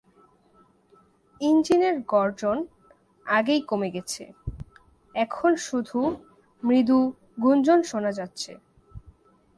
ইঞ্জিনের গর্জন আগেই কমে গেছে, এখন শুধু মৃদু গুঞ্জন শোনা যাচ্ছে।